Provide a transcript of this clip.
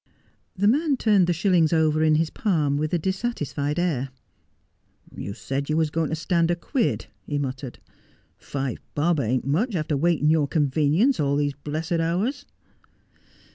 ' The man turned the shillings over in his palm with a dis satisfied air. ' You said you was going to stand a quid,' he muttered. ' Five bob ain't much after waiting your convenience all these blessed hours.'